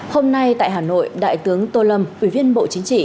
hôm nay tại hà nội đại tướng tô lâm ủy viên bộ chính trị